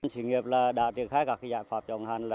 sự nghiệp là đã triển khai các giải pháp chống hạn